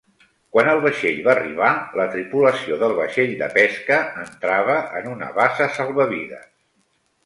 Quan el vaixell va arribar, la tripulació del vaixell de pesca entrava en una bassa salvavides.